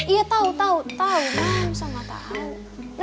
iya tau tau tau